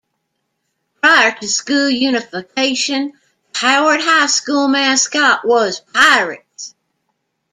Prior to school unification, the Howard High School mascot was Pirates.